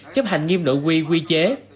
chấp hành nghiêm nội quy quy chế